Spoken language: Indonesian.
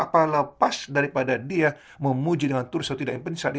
apalah pas daripada dia memuji dengan tersatu tidak yang pencari